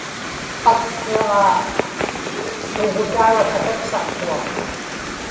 akkiġaa puggutauraq kataksaqtuaq